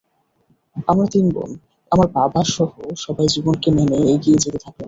আমরা তিন বোন, আমার বাবাসহ সবাই জীবনকে মেনে এগিয়ে যেতে থাকলাম।